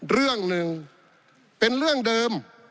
เรื่องหนึ่งเป็นเรื่องเดิม